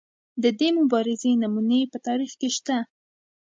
د دې مبارزې نمونې په تاریخ کې شته.